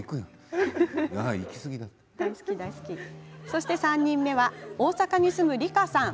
そして３人目は大阪に住む、りかさん。